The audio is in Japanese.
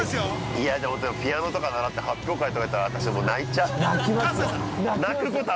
◆いや、でもピアノとか習って発表会とかいったら私はもう泣いちゃう。